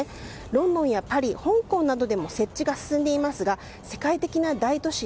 ロンドンやパリ、香港などでも設置が進んでいますが世界的な大都市